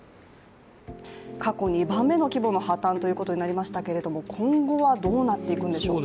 過去２番目の規模の破綻ということになりましたけれども今後はどうなっていくんでしょう？